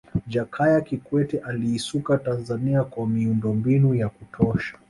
jakaya kikwete aliisuka tanzania kwa miundo mbinu ya kutosha